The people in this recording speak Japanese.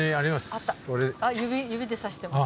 あっ指指でさしてます。